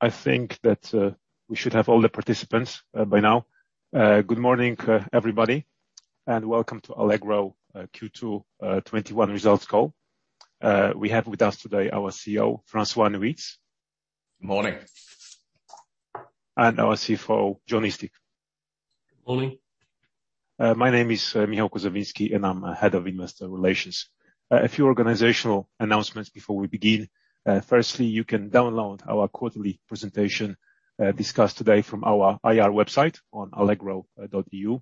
I think that we should have all the participants by now. Good morning, everybody, and welcome to Allegro Q2 2021 Results Call. We have with us today our CEO, François Nuyts. Morning. Our CFO, Jon Eastick. Morning. My name is Michał Kuzawinski, and I'm Head of Investor Relations. A few organizational announcements before we begin. Firstly, you can download our quarterly presentation discussed today from our IR website on allegro.eu.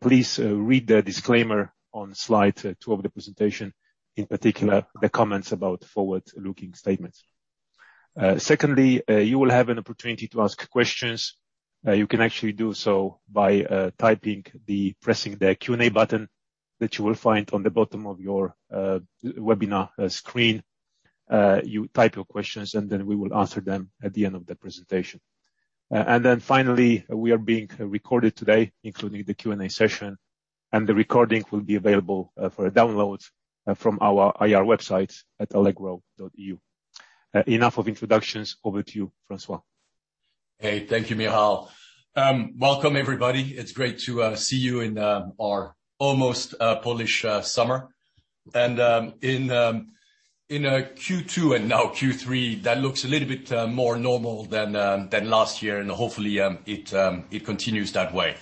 Please read the disclaimer on slide 12 of the presentation, in particular, the comments about forward-looking statements. Secondly, you will have an opportunity to ask questions. You can actually do so by typing the pressing the Q&A button that you will find on the bottom of your webinar screen. You type your questions, and then we will answer them at the end of the presentation. Finally, we are being recorded today, including the Q&A session, and the recording will be available for a download from our IR website at allegro.eu. Enough of introductions. Over to you, François. Hey, thank you, Michał. Welcome everybody. It's great to see you in our almost Polish summer. In Q2 and now Q3, that looks a little bit more normal than last year, and hopefully, it continues that way.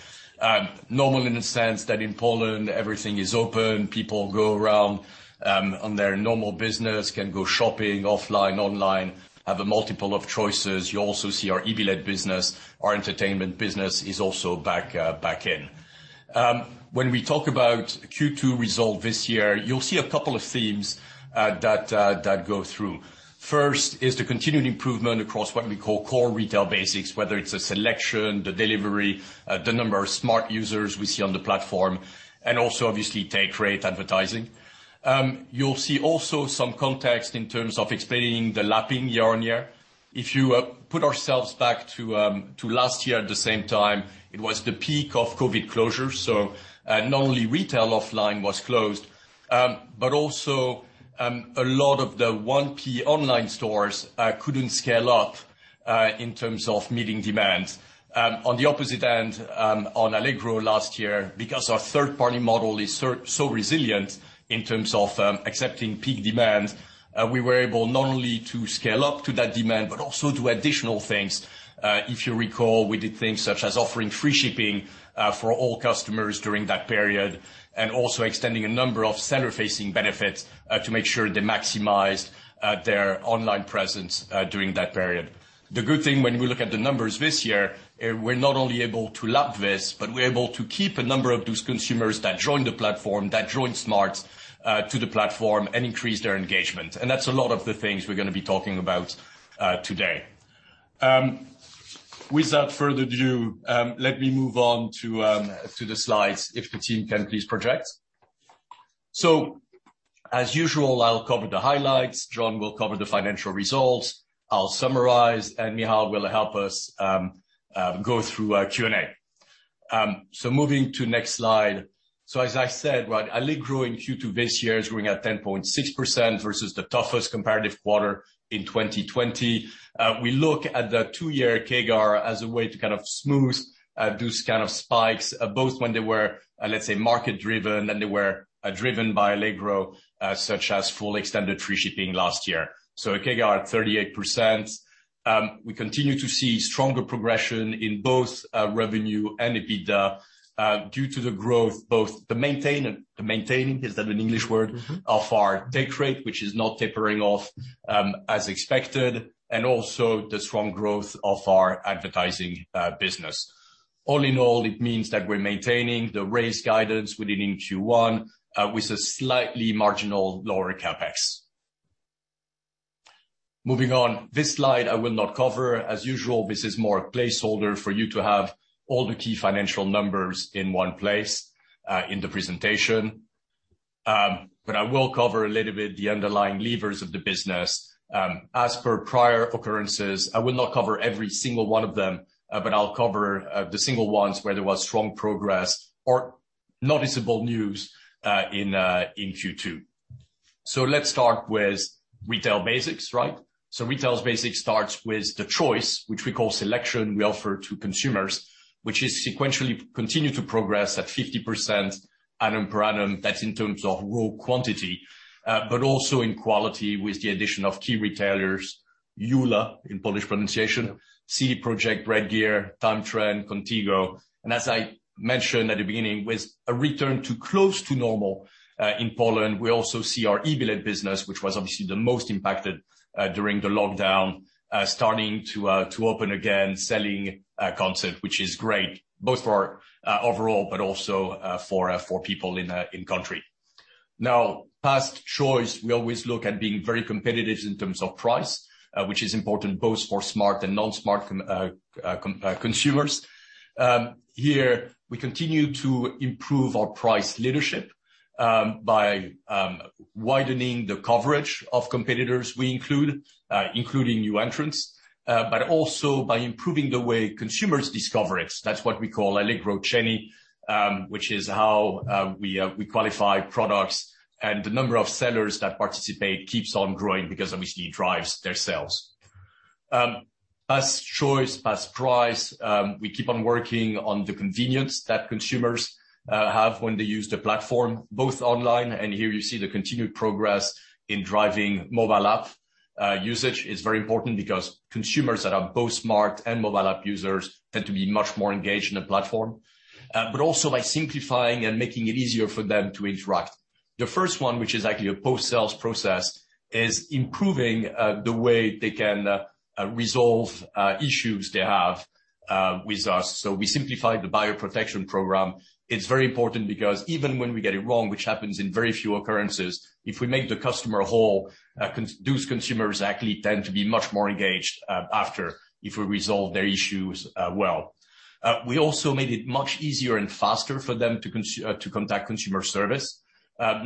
Normal in the sense that in Poland, everything is open. People go around on their normal business, can go shopping offline, online, have a multiple of choices. You also see our eBilet business, our entertainment business is also back in. When we talk about Q2 result this year, you'll see a couple of themes that go through. First is the continued improvement across what we call core retail basics, whether it's the selection, the delivery, the number of Smart! users we see on the platform, and also, obviously, take rate advertising. You'll see also some context in terms of explaining the lapping year-on-year. If you put ourselves back to last year at the same time, it was the peak of COVID closure. Not only retail offline was closed, but also, a lot of the 1P online stores couldn't scale up, in terms of meeting demands. On the opposite end, on Allegro last year, because our third-party model is so resilient in terms of accepting peak demands, we were able not only to scale up to that demand, but also do additional things. If you recall, we did things such as offering free shipping for all customers during that period, and also extending a number of seller-facing benefits to make sure they maximized their online presence during that period. The good thing when we look at the numbers this year, we're not only able to lap this, but we're able to keep a number of those consumers that joined the platform, that joined Smart to the platform and increase their engagement. That's a lot of the things we're going to be talking about today. Without further ado, let me move on to the slides, if the team can please project. As usual, I'll cover the highlights. Jon will cover the financial results. I'll summarize, and Michał will help us go through our Q&A. Moving to next slide. As I said, Allegro in Q2 this year is growing at 10.6% versus the toughest comparative quarter in 2020. We look at the two-year CAGR as a way to kind of smooth those kind of spikes, both when they were, let's say, market-driven, and they were driven by Allegro, such as full extended free shipping last year. A CAGR at 38%. We continue to see stronger progression in both revenue and EBITDA due to the growth, both the maintaining, is that an English word? Of our take rate, which is not tapering off as expected, and also the strong growth of our advertising business. All in all, it means that we're maintaining the raise guidance we did in Q1 with a slightly marginal lower CapEx. Moving on. This slide I will not cover. As usual, this is more a placeholder for you to have all the key financial numbers in one place in the presentation. I will cover a little bit the underlying levers of the business. As per prior occurrences, I will not cover every single one of them, but I'll cover the single ones where there was strong progress or noticeable news in Q2. Let's start with retail basics, right? Retail basics starts with the choice, which we call selection we offer to consumers. Which is sequentially continue to progress at 50% annual per annum. That's in terms of raw quantity, but also in quality with the addition of key retailers, Eula, in Polish pronunciation, CD Projekt, Regear, Time Trend, Contigo. As I mentioned at the beginning, with a return to close to normal in Poland, we also see our eBilet business, which was obviously the most impacted during the lockdown, starting to open again, selling concerts, which is great both for our overall, but also for people in country. Now, past choice, we always look at being very competitive in terms of price, which is important both for Smart! and non-Smart! consumers. Here we continue to improve our price leadership, by widening the coverage of competitors we include, including new entrants, but also by improving the way consumers discover it. That's what we call Allegro Ceny, which is how we qualify products, and the number of sellers that participate keeps on growing because obviously it drives their sales. Best choice, best price. We keep on working on the convenience that consumers have when they use the platform, both online, and here you see the continued progress in driving mobile app usage. It's very important because consumers that are both Smart! and mobile app users tend to be much more engaged in the platform. Also by simplifying and making it easier for them to interact. The first one, which is actually a post-sales process, is improving the way they can resolve issues they have with us. We simplified the buyer protection program. It's very important because even when we get it wrong, which happens in very few occurrences, if we make the customer whole, those consumers actually tend to be much more engaged after, if we resolve their issues well. We also made it much easier and faster for them to contact consumer service,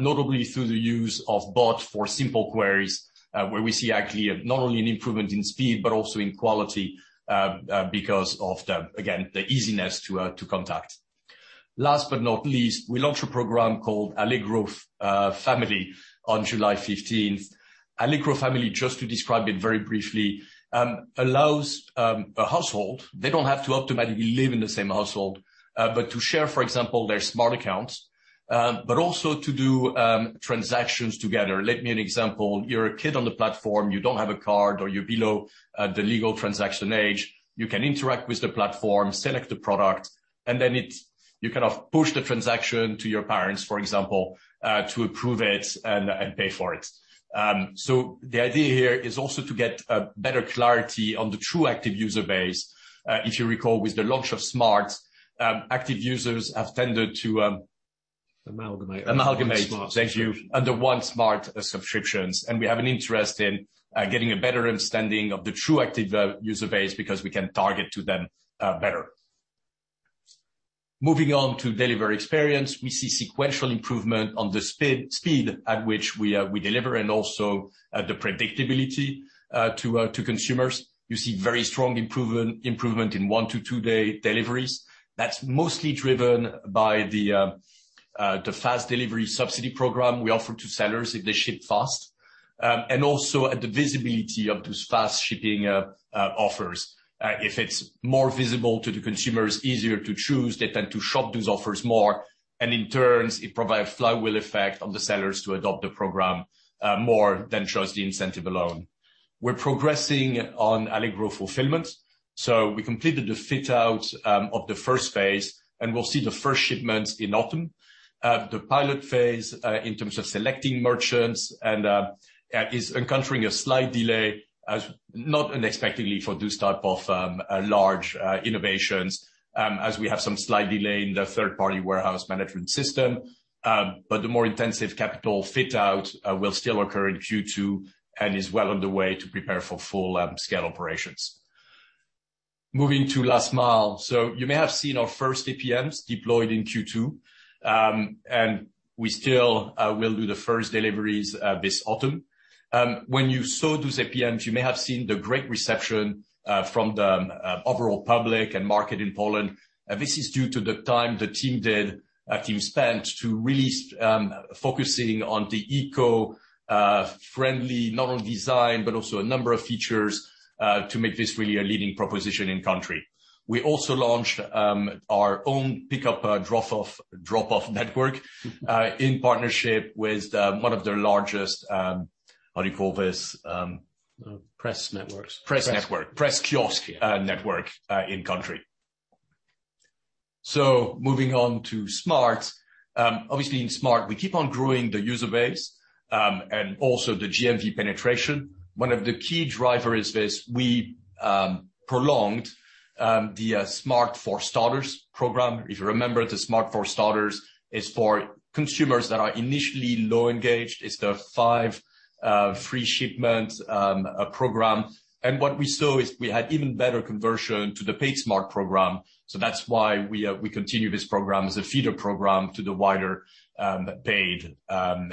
notably through the use of bot for simple queries, where we see actually not only an improvement in speed, but also in quality, because of the, again, the easiness to contact. Last but not least, we launched a program called Allegro Family on July 15th. Allegro Family, just to describe it very briefly, allows a household, they don't have to automatically live in the same household, but to share, for example, their Smart! accounts, but also to do transactions together. Let me an example. You're a kid on the platform, you don't have a card, or you're below the legal transaction age. You can interact with the platform, select the product, and then you kind of push the transaction to your parents, for example, to approve it and pay for it. The idea here is also to get better clarity on the true active user base. If you recall, with the launch of Smart!, active users have tended to? Amalgamate Amalgamate. Thank you. Under one Smart! subscriptions. We have an interest in getting a better understanding of the true active user base because we can target to them better. Moving on to delivery experience. We see sequential improvement on the speed at which we deliver and also the predictability to consumers. You see very strong improvement in one-two day deliveries. That's mostly driven by the fast delivery subsidy program we offer to sellers if they ship fast. Also the visibility of those fast shipping offers. If it's more visible to the consumers, easier to choose, they tend to shop those offers more. In turn, it provides flywheel effect on the sellers to adopt the program more than just the incentive alone. We're progressing on Allegro fulfillment. We completed the fit-out of the first phase, and we'll see the first shipments in autumn. The pilot phase, in terms of selecting merchants is encountering a slight delay as, not unexpectedly for this type of large innovations, as we have some slight delay in the third-party warehouse management system. The more intensive capital fit-out will still occur in Q2 and is well on the way to prepare for full scale operations. Moving to last mile. You may have seen our first APMs deployed in Q2. We still will do the first deliveries this autumn. When you saw those APMs, you may have seen the great reception from the overall public and market in Poland. This is due to the time the team spent to really focusing on the eco-friendly not only design, but also a number of features, to make this really a leading proposition in country. We also launched our own pick-up, drop-off network in partnership with one of the largest, how do you call this? Press networks. Press network. Press kiosk network in country. Moving on to Smart!. Obviously, in Smart!, we keep on growing the user base, and also the GMV penetration. One of the key driver is this, we prolonged the Smart! for Starters program. If you remember, the Smart! for Starters is for consumers that are initially low engaged. It's the five free shipment program. What we saw is we had even better conversion to the paid Smart! program. That's why we continue this program as a feeder program to the wider paid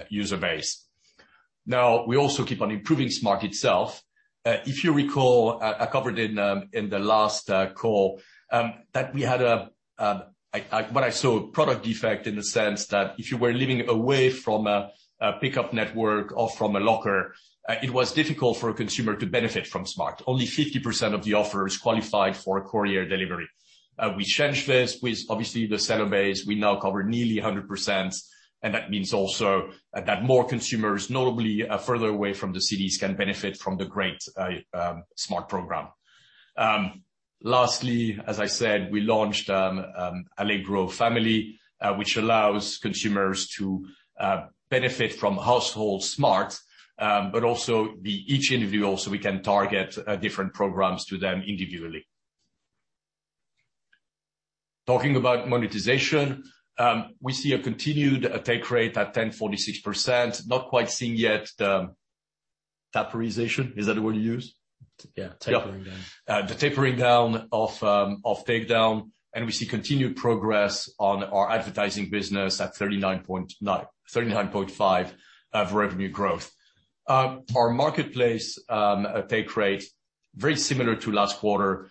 user base. We also keep on improving Smart! itself. If you recall, I covered in the last call that we had a, what I saw a product defect in the sense that if you were living away from a pick-up network or from a locker, it was difficult for a consumer to benefit from Smart!. Only 50% of the offers qualified for courier delivery. We changed this with obviously the seller base. We now cover nearly 100%, and that means also that more consumers, notably further away from the cities, can benefit from the great Smart! program. Lastly, as I said, we launched Allegro Family, which allows consumers to benefit from household Smart!, but also each individual, so we can target different programs to them individually. Talking about monetization. We see a continued take rate at 10.46%. Not quite seeing yet the taperization. Is that the word you use? Yeah. Tapering down. The tapering down of takedown. We see continued progress on our advertising business at 39.5% of revenue growth. Our marketplace take rate very similar to last quarter,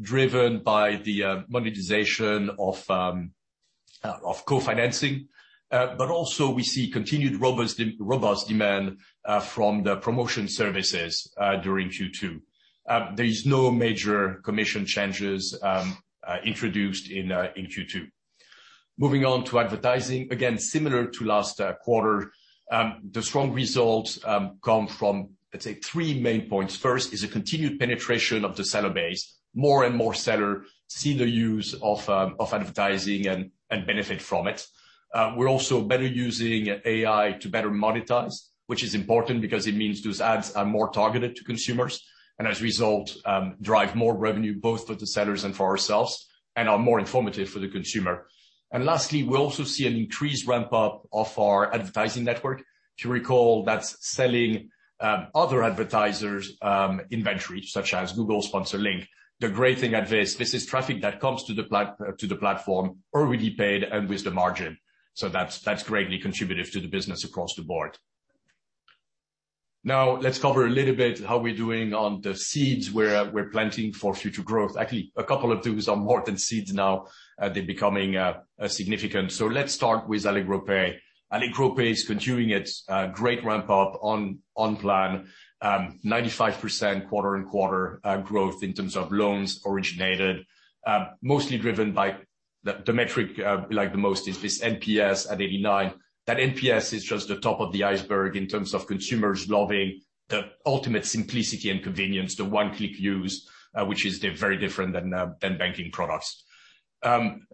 driven by the monetization of co-financing. Also, we see continued robust demand from the promotion services during Q2. There is no major commission changes introduced in Q2. Moving on to advertising. Similar to last quarter, the strong results come from, let's say, three main points. First is a continued penetration of the seller base. More and more seller see the use of advertising and benefit from it. We're also better using AI to better monetize, which is important because it means those ads are more targeted to consumers, and as a result, drive more revenue both for the sellers and for ourselves, and are more informative for the consumer. Lastly, we also see an increased ramp-up of our advertising network. If you recall, that's selling other advertisers' inventory, such as Google Sponsored Links. The great thing at this is traffic that comes to the platform already paid and with the margin. That's greatly contributive to the business across the board. Let's cover a little bit how we're doing on the seeds we're planting for future growth. A couple of those are more than seeds now. They're becoming significant. Let's start with Allegro Pay. Allegro Pay is continuing its great ramp-up on plan. 95% quarter-on-quarter growth in terms of loans originated, mostly driven by, the metric I like the most is this NPS at 89. That NPS is just the top of the iceberg in terms of consumers loving the ultimate simplicity and convenience, the 1-Click use, which is very different than banking products.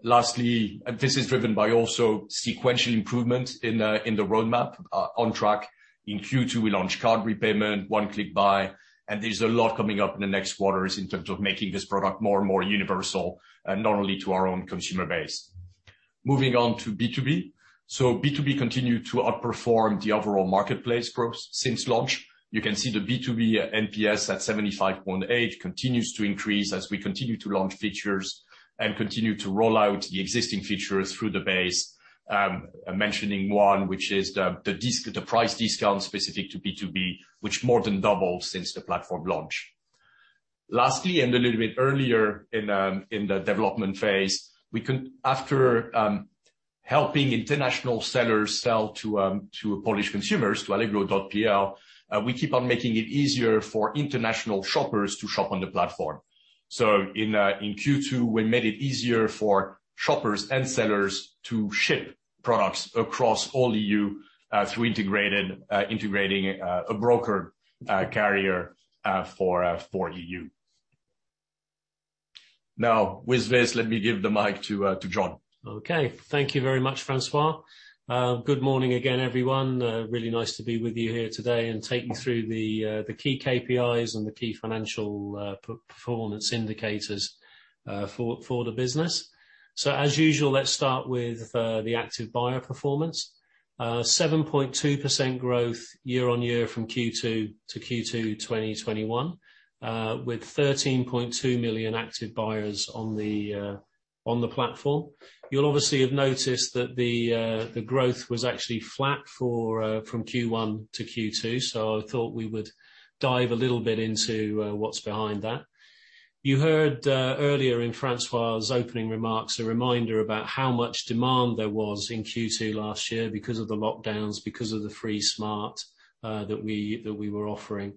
Lastly, this is driven by also sequential improvement in the roadmap on track. In Q2, we launched card repayment, 1-Click buy, and there's a lot coming up in the next quarters in terms of making this product more and more universal, not only to our own consumer base. B2B continued to outperform the overall marketplace growth since launch. You can see the B2B NPS at 75.8 continues to increase as we continue to launch features and continue to roll out the existing features through the base. Mentioning one, which is the price discount specific to B2B, which more than doubled since the platform launch. Lastly, and a little bit earlier in the development phase, after helping international sellers sell to Polish consumers, to allegro.pl, we keep on making it easier for international shoppers to shop on the platform. In Q2, we made it easier for shoppers and sellers to ship products across all EU through integrating a broker carrier for EU. With this, let me give the mic to Jon. Okay. Thank you very much, François. Good morning again, everyone. Really nice to be with you here today and take you through the key KPIs and the key financial performance indicators for the business. As usual, let's start with the active buyer performance. 7.2% growth year-on-year from Q2 to Q2 2021, with 13.2 million active buyers on the platform. You'll obviously have noticed that the growth was actually flat from Q1 to Q2, so I thought we would dive a little bit into what's behind that. You heard earlier in François's opening remarks, a reminder about how much demand there was in Q2 last year because of the lockdowns, because of the free Smart! that we were offering.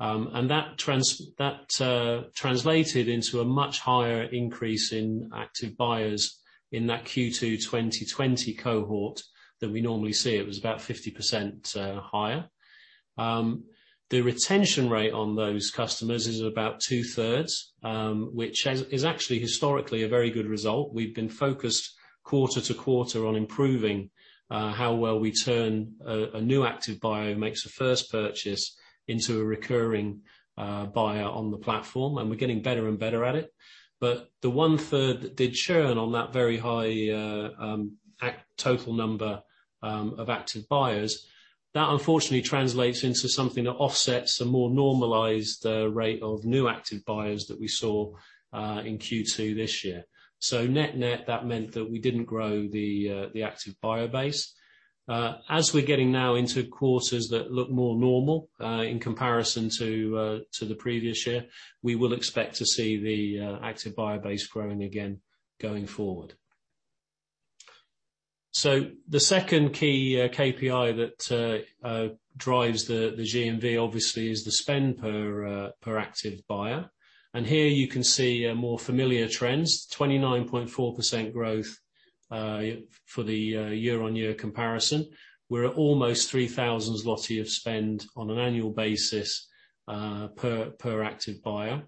That translated into a much higher increase in active buyers in that Q2 2020 cohort than we normally see. It was about 50% higher. The retention rate on those customers is about two-thirds, which is actually historically a very good result. We've been focused quarter to quarter on improving how well we turn a new active buyer who makes a first purchase into a recurring buyer on the platform, and we're getting better and better at it. The one-third that did churn on that very high total number of active buyers, that unfortunately translates into something that offsets a more normalized rate of new active buyers that we saw in Q2 this year. Net net, that meant that we didn't grow the active buyer base. As we're getting now into quarters that look more normal in comparison to the previous year, we will expect to see the active buyer base growing again going forward. The second key KPI that drives the GMV, obviously, is the spend per active buyer. Here you can see more familiar trends. 29.4% growth for the year-over-year comparison. We're at almost 3,000 zloty of spend on an annual basis per active buyer.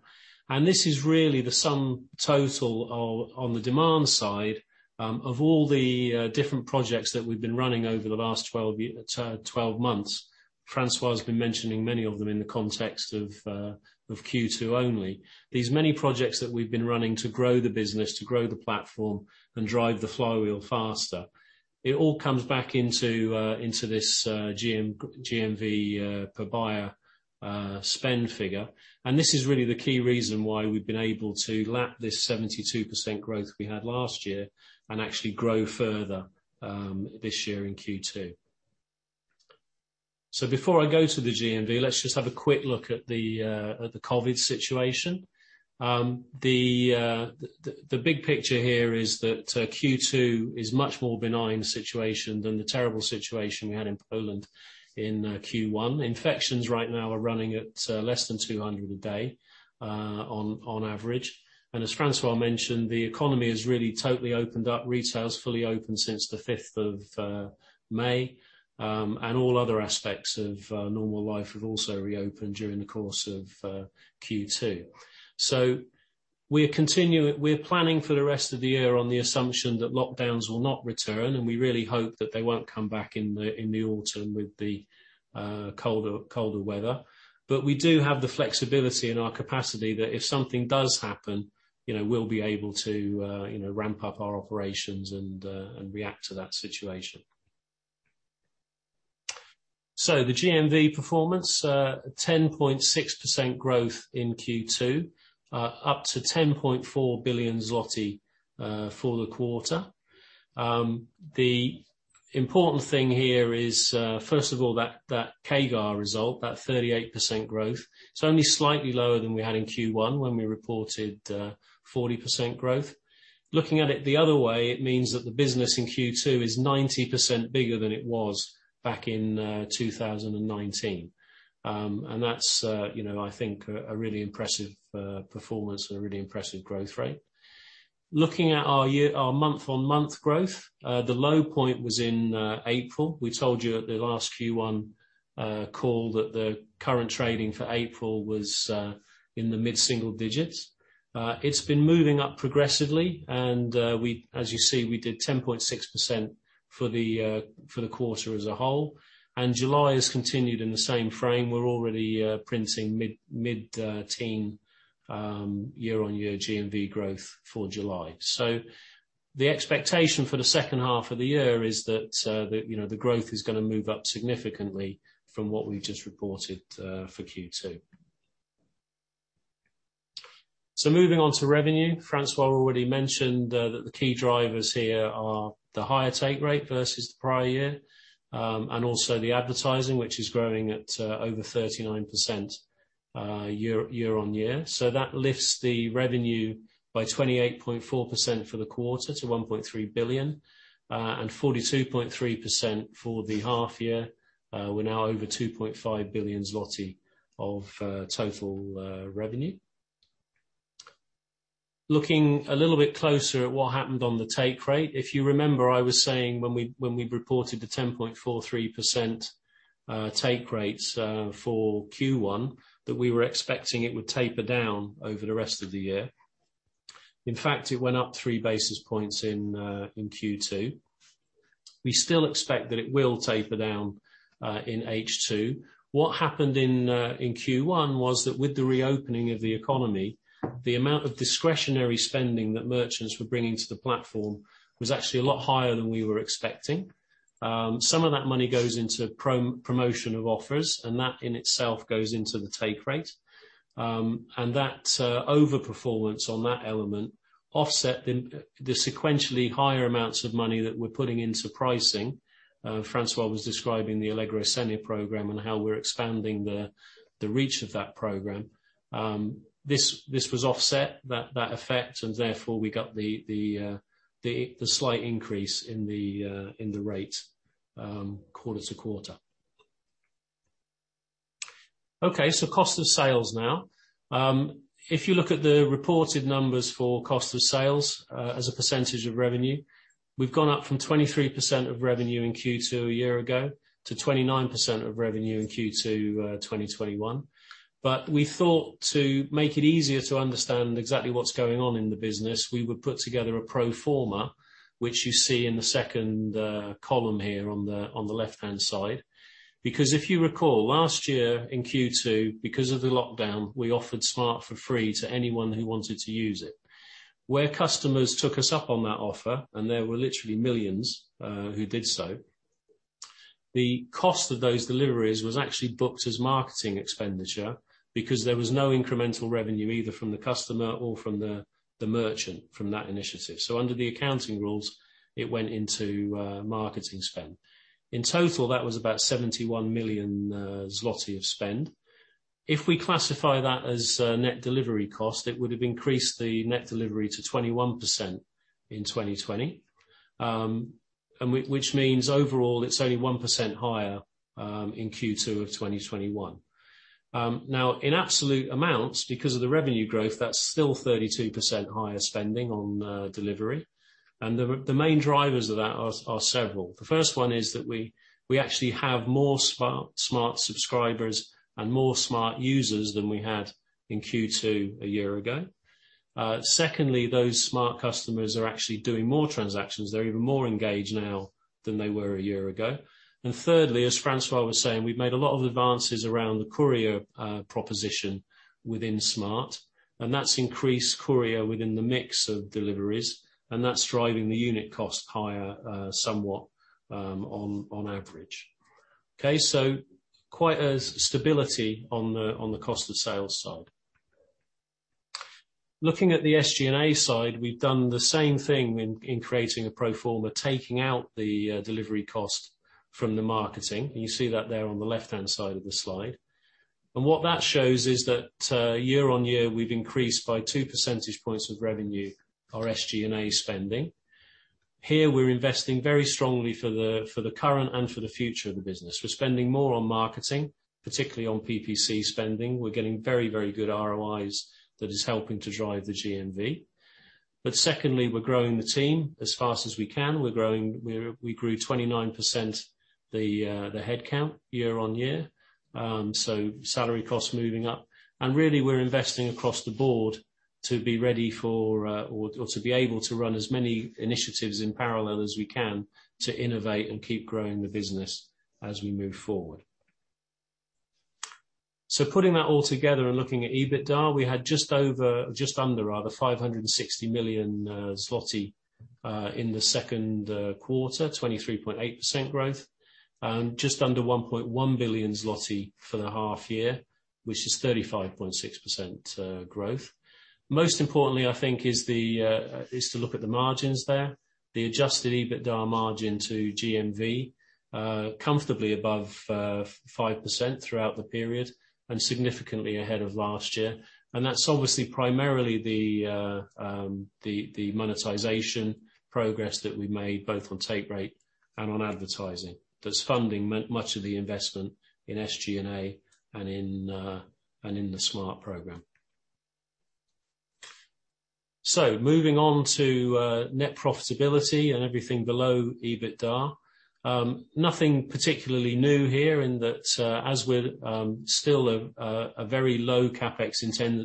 This is really the sum total on the demand side of all the different projects that we've been running over the last 12 months. François has been mentioning many of them in the context of Q2 only. These many projects that we've been running to grow the business, to grow the platform, and drive the flywheel faster. It all comes back into this GMV per buyer spend figure. This is really the key reason why we've been able to lap this 72% growth we had last year and actually grow further this year in Q2. Before I go to the GMV, let's just have a quick look at the COVID situation. The big picture here is that Q2 is much more benign situation than the terrible situation we had in Poland in Q1. Infections right now are running at less than 200 a day on average. As François mentioned, the economy has really totally opened up. Retail is fully open since the May 5th, all other aspects of normal life have also reopened during the course of Q2. We're planning for the rest of the year on the assumption that lockdowns will not return, we really hope that they won't come back in the autumn with the colder weather. We do have the flexibility in our capacity that if something does happen, we'll be able to ramp up our operations and react to that situation. The GMV performance, 10.6% growth in Q2, up to 10.4 billion zloty for the quarter. The important thing here is, first of all, that CAGR result, that 38% growth. It's only slightly lower than we had in Q1 when we reported 40% growth. Looking at it the other way, it means that the business in Q2 is 90% bigger than it was back in 2019. That's, I think, a really impressive performance and a really impressive growth rate. Looking at our month-on-month growth, the low point was in April. We told you at the last Q1 call that the current trading for April was in the mid-single digits. It's been moving up progressively and as you see, we did 10.6% for the quarter as a whole, and July has continued in the same frame. We're already printing mid-teen year-on-year GMV growth for July. The expectation for the second half of the year is that the growth is going to move up significantly from what we've just reported for Q2. So moving into revenue, François already mentioned that the key drivers here are the higher take rate versus the prior year, and also the advertising, which is growing at over 39% year-on-year. That lifts the revenue by 28.4% for the quarter to 1.3 billion, and 42.3% for the half year. We're now over 2.5 billion zloty of total revenue. Looking a little bit closer at what happened on the take rate. If you remember, I was saying when we reported the 10.43% take rates for Q1, that we were expecting it would taper down over the rest of the year. In fact, it went up three basis points in Q2. We still expect that it will taper down in H2. What happened in Q1 was that with the reopening of the economy, the amount of discretionary spending that merchants were bringing to the platform was actually a lot higher than we were expecting. Some of that money goes into promotion of offers, and that in itself goes into the take rate. That overperformance on that element offset the sequentially higher amounts of money that we're putting into pricing. François was describing the Allegro Ceny program and how we're expanding the reach of that program. This was offset, that effect, and therefore we got the slight increase in the rate quarter to quarter. Cost of sales now. If you look at the reported numbers for cost of sales as a percentage of revenue, we've gone up from 23% of revenue in Q2 a year ago to 29% of revenue in Q2 2021. We thought to make it easier to understand exactly what's going on in the business, we would put together a pro forma, which you see in the second column here on the left-hand side. If you recall, last year in Q2, because of the lockdown, we offered Smart! for free to anyone who wanted to use it. Where customers took us up on that offer, and there were literally millions who did so, the cost of those deliveries was actually booked as marketing expenditure because there was no incremental revenue either from the customer or from the merchant from that initiative. Under the accounting rules, it went into marketing spend. In total, that was about 71 million zloty of spend. If we classify that as net delivery cost, it would have increased the net delivery to 21% in 2020, which means overall, it's only 1% higher in Q2 of 2021. Now, in absolute amounts, because of the revenue growth, that's still 32% higher spending on delivery, and the main drivers of that are several. The first one is that we actually have more Smart! subscribers and more Smart! users than we had in Q2 a year ago. Secondly, those Smart! customers are actually doing more transactions. They're even more engaged now than they were a year ago. Thirdly, as François was saying, we've made a lot of advances around the courier proposition within Smart!, and that's increased courier within the mix of deliveries, and that's driving the unit cost higher somewhat on average. Okay, quite a stability on the cost of sales side. Looking at the SG&A side, we've done the same thing in creating a pro forma, taking out the delivery cost from the marketing, and you see that there on the left-hand side of the slide. What that shows is that year-on-year, we've increased by 2 percentage points of revenue, our SG&A spending. Here, we're investing very strongly for the current and for the future of the business. We're spending more on marketing, particularly on PPC spending. We're getting very good ROIs that is helping to drive the GMV. Secondly, we're growing the team as fast as we can. We grew 29% the headcount year-on-year, so salary costs moving up. Really, we're investing across the board to be ready for or to be able to run as many initiatives in parallel as we can to innovate and keep growing the business as we move forward. Putting that all together and looking at EBITDA, we had just under 560 million zloty in the second quarter, 23.8% growth, and just under 1.1 billion zloty for the half year, which is 35.6% growth. Most importantly, I think, is to look at the margins there. The adjusted EBITDA margin to GMV, comfortably above 5% throughout the period and significantly ahead of last year. That's obviously primarily the monetization progress that we've made, both on take rate and on advertising, that's funding much of the investment in SG&A and in the Smart! program. Moving on to net profitability and everything below EBITDA. Nothing particularly new here in that as we're still a very low CapEx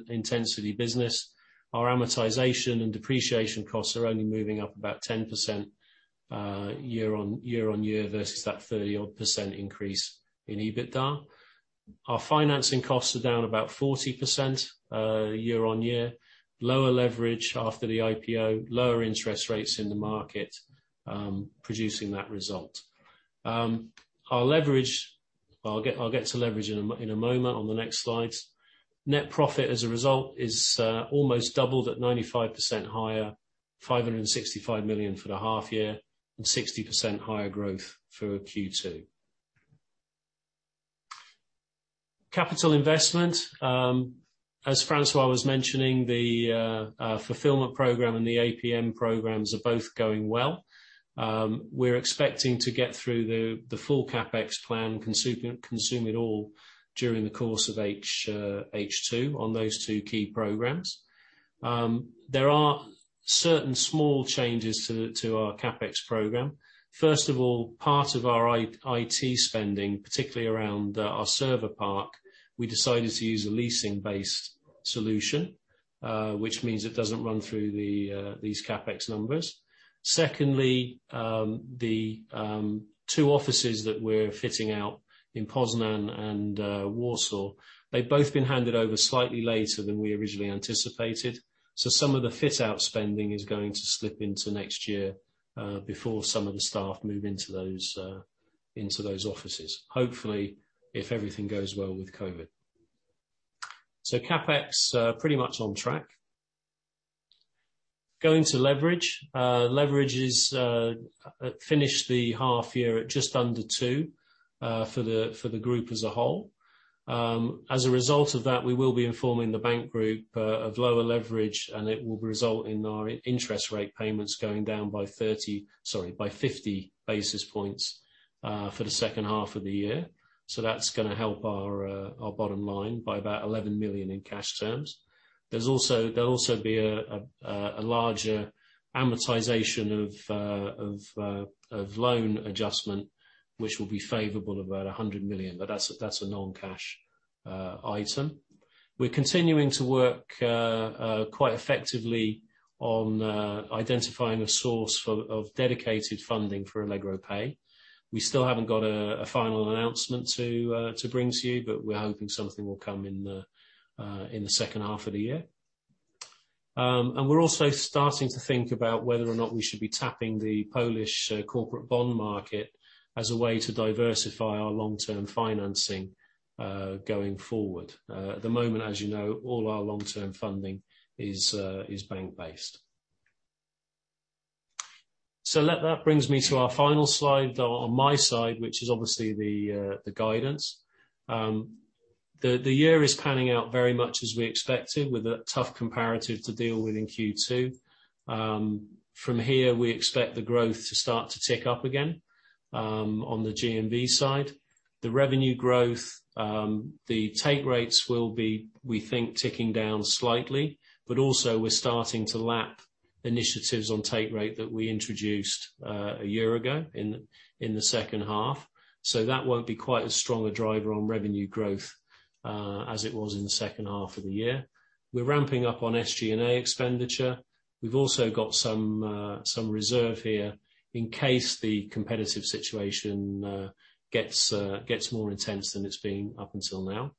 intensity business, our amortization and depreciation costs are only moving up about 10% year-on-year versus that 30% odd increase in EBITDA. Our financing costs are down about 40% year-on-year. Lower leverage after the IPO, lower interest rates in the market producing that result. Our leverage, I'll get to leverage in a moment on the next slides. Net profit as a result is almost doubled at 95% higher, 565 million for the half year and 60% higher growth for Q2. Capital investment. As Francois was mentioning, the fulfillment program and the APM programs are both going well. We're expecting to get through the full CapEx plan, consume it all during the course of H2 on those two key programs. There are certain small changes to our CapEx program. First of all, part of our IT spending, particularly around our server park, we decided to use a leasing-based solution, which means it doesn't run through these CapEx numbers. Secondly, the two offices that we're fitting out in Poznań and Warsaw, they've both been handed over slightly later than we originally anticipated. Some of the fit-out spending is going to slip into next year, before some of the staff move into those offices, hopefully if everything goes well with COVID. CapEx, pretty much on track. Going to leverage. Leverage is finished the half year at just under two for the group as a whole. As a result of that, we will be informing the bank group of lower leverage, and it will result in our interest rate payments going down by 30, sorry, by 50 basis points for the second half of the year. That's going to help our bottom line by about 11 million in cash terms. There'll also be a larger amortization of loan adjustment, which will be favorable, about 100 million, but that's a non-cash item. We're continuing to work quite effectively on identifying a source of dedicated funding for Allegro Pay. We still haven't got a final announcement to bring to you, but we're hoping something will come in the second half of the year. We're also starting to think about whether or not we should be tapping the Polish corporate bond market as a way to diversify our long-term financing going forward. At the moment, as you know, all our long-term funding is bank-based. That brings me to our final slide, or on my side, which is obviously the guidance. The year is panning out very much as we expected, with a tough comparative to deal with in Q2. From here, we expect the growth to start to tick up again on the GMV side. The revenue growth, the take rates will be, we think, ticking down slightly, but also we're starting to lap initiatives on take rate that we introduced a year ago in the second half. That won't be quite as strong a driver on revenue growth as it was in the second half of the year. We're ramping up on SG&A expenditure. We've also got some reserve here in case the competitive situation gets more intense than it's been up until now.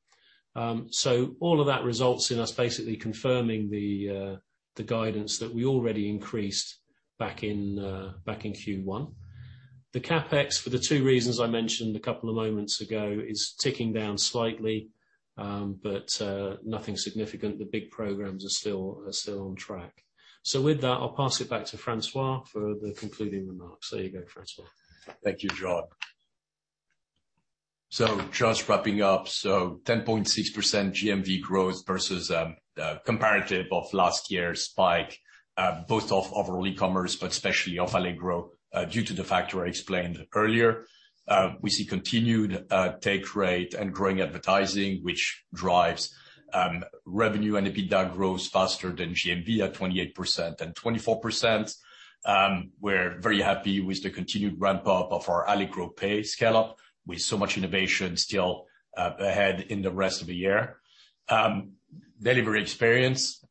All of that results in us basically confirming the guidance that we already increased back in Q1. The CapEx, for the two reasons I mentioned a couple of moments ago, is ticking down slightly, but nothing significant. The big programs are still on track. With that, I'll pass it back to François for the concluding remarks. There you go, François. Thank you, Jon. Just wrapping up, 10.6% GMV growth versus comparative of last year's spike, both of overall commerce but especially of Allegro, due to the factor I explained earlier. We see continued take rate and growing advertising, which drives revenue and EBITDA grows faster than GMV at 28% and 24%. We're very happy with the continued ramp-up of our Allegro Pay scale-up, with so much innovation still ahead in the rest of the year. Delivery experience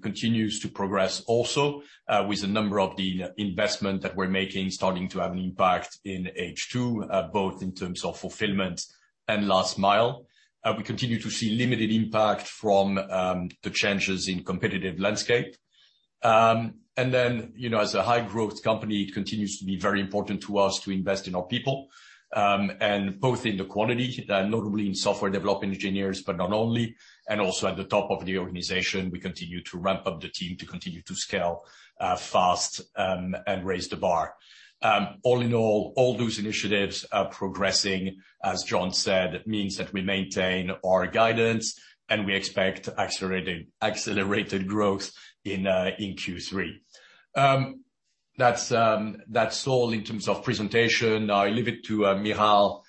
continues to progress also, with a number of the investment that we're making starting to have an impact in H2, both in terms of fulfillment and last mile. We continue to see limited impact from the changes in competitive landscape. As a high growth company, it continues to be very important to us to invest in our people, and both in the quantity, notably in software development engineers, but not only, and also at the top of the organization, we continue to ramp up the team to continue to scale fast and raise the bar. All in all those initiatives are progressing, as Jon said, means that we maintain our guidance, and we expect accelerated growth in Q3. That's all in terms of presentation. I leave it to Michał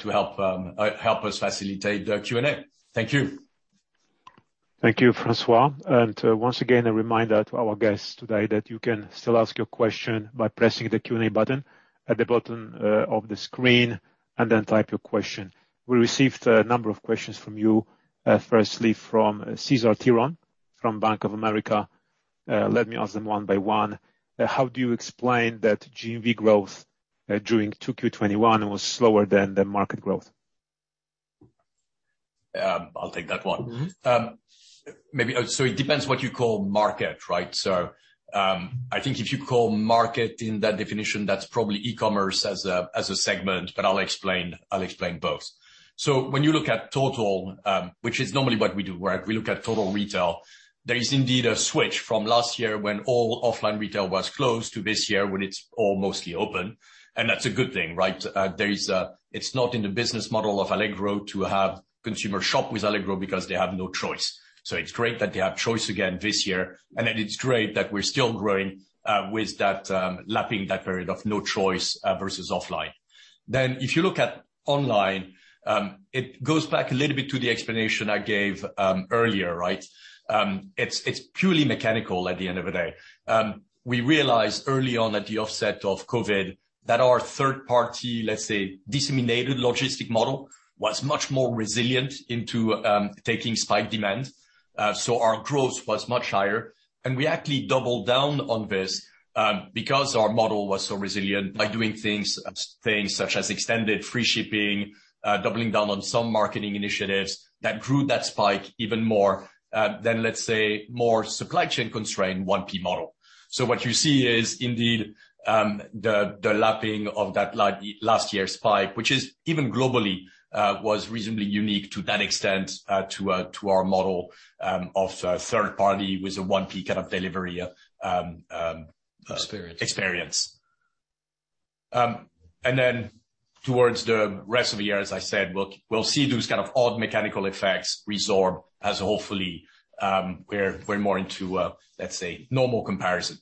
to help us facilitate the Q&A. Thank you. Thank you, François. Once again, a reminder to our guests today that you can still ask your question by pressing the Q&A button at the bottom of the screen, then type your question. We received a number of questions from you. Firstly, from Cesar Tiron from Bank of America. Let me ask them one by one. How do you explain that GMV growth during 2Q 2021 was slower than the market growth? I'll take that one. It depends what you call market, right? I think if you call market in that definition, that's probably e-commerce as a segment, but I'll explain both. When you look at total, which is normally what we do, where we look at total retail, there is indeed a switch from last year when all offline retail was closed to this year when it's all mostly open, and that's a good thing, right? It's not in the business model of Allegro to have consumer shop with Allegro because they have no choice. It's great that they have choice again this year, and it's great that we're still growing with that, lapping that period of no choice versus offline. If you look at online, it goes back a little bit to the explanation I gave earlier. It's purely mechanical at the end of the day. We realized early on at the offset of COVID that our third party, let's say, disseminated logistic model, was much more resilient into taking spike demand. Our growth was much higher, and we actually doubled down on this, because our model was so resilient by doing things such as extended free shipping, doubling down on some marketing initiatives that grew that spike even more than, let's say, more supply chain constrained 1P model. What you see is indeed the lapping of that last year's spike, which is even globally, was reasonably unique to that extent to our model of third party with a 1P kind of delivery. Experience. Experience. Towards the rest of the year, as I said, we'll see those kind of odd mechanical effects resorb as hopefully, we're more into, let's say, normal comparison.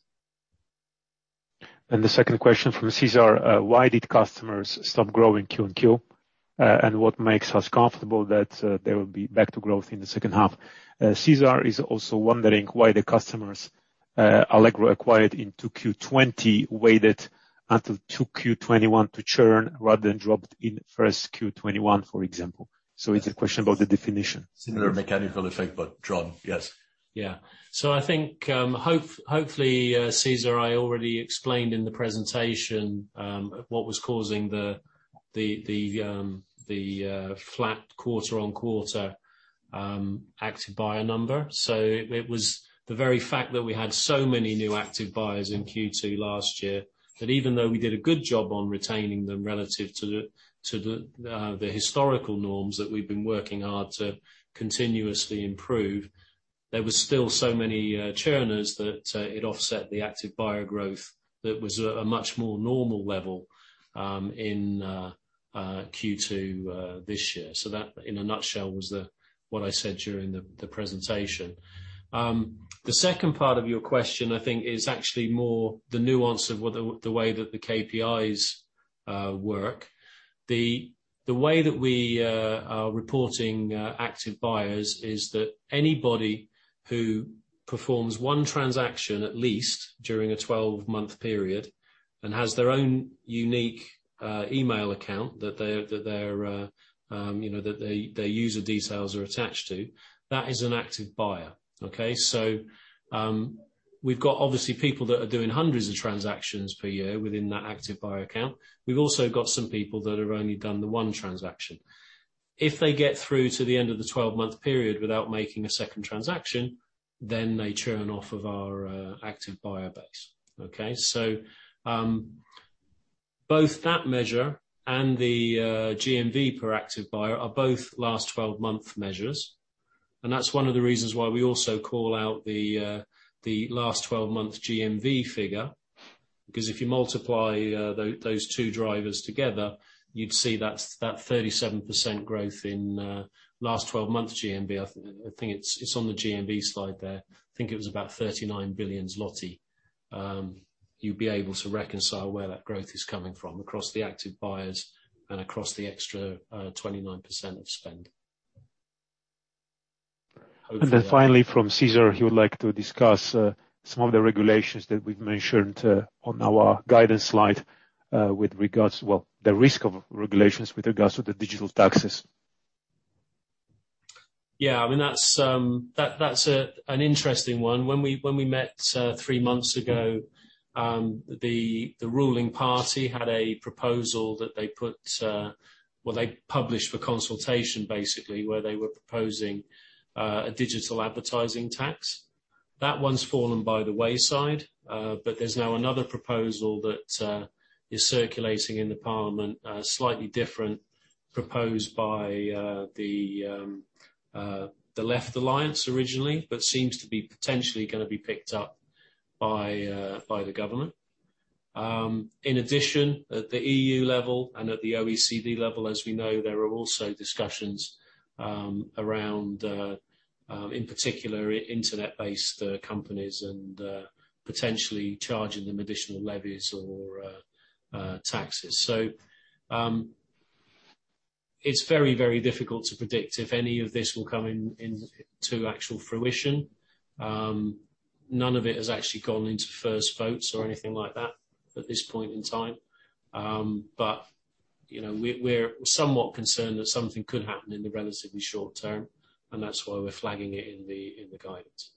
The second question from Cesar, why did customers stop growing Q and Q? What makes us comfortable that they will be back to growth in the second half? Cesar is also wondering why the customers Allegro acquired in 2Q 2020 waited until 2Q 2021 to churn rather than dropped in 1Q 2021, for example. It's a question about the definition. Similar mechanical effect, but Jon, yes. Yeah. I think, hopefully, Cesar, I already explained in the presentation, what was causing the flat quarter-on-quarter active buyer number. It was the very fact that we had so many new active buyers in Q2 last year, that even though we did a good job on retaining them relative to the historical norms that we've been working hard to continuously improve, there were still so many churners that it offset the active buyer growth that was a much more normal level in Q2 this year. That in a nutshell was what I said during the presentation. The second part of your question, I think is actually more the nuance of the way that the KPIs work. The way that we are reporting active buyers is that anybody who performs one transaction at least during a 12-month period and has their own unique email account that their user details are attached to, that is an active buyer. Okay. We've got obviously people that are doing hundreds of transactions per year within that active buyer account. We've also got some people that have only done the one transaction. If they get through to the end of the 12-month period without making a second transaction, then they churn off of our active buyer base. Okay. Both that measure and the GMV per active buyer are both last 12-month measures, and that's one of the reasons why we also call out the last 12-month GMV figure. If you multiply those two drivers together, you'd see that 37% growth in last 12 months GMV, I think it's on the GMV slide there. I think it was about 39 billion zloty. You'll be able to reconcile where that growth is coming from across the active buyers and across the extra 29% of spend. Finally, from Cesar, he would like to discuss some of the regulations that we've mentioned on our guidance slide with regards, well, the risk of regulations with regards to the digital taxes. Yeah, that's an interesting one. When we met three months ago, the ruling party had a proposal that they put, they published for consultation, basically, where they were proposing a digital advertising tax. That one's fallen by the wayside, but there's now another proposal that is circulating in the parliament, slightly different, proposed by the Left Alliance originally, but seems to be potentially going to be picked up by the government. In addition, at the EU level and at the OECD level, as we know, there are also discussions around, in particular, internet-based companies and potentially charging them additional levies or taxes. It's very, very difficult to predict if any of this will come into actual fruition. None of it has actually gone into first votes or anything like that at this point in time. We're somewhat concerned that something could happen in the relatively short term, and that's why we're flagging it in the guidance.